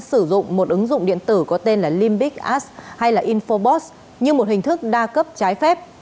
sử dụng một ứng dụng điện tử có tên limbic ass hay infobox như một hình thức đa cấp trái phép